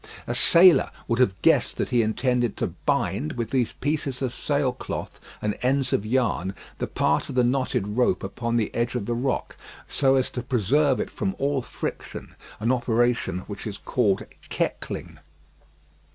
A sailor would have guessed that he intended to bind with these pieces of sail cloth and ends of yarn the part of the knotted rope upon the edge of the rock, so as to preserve it from all friction an operation which is called "keckling."